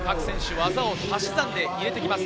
技を足し算で入れてきます。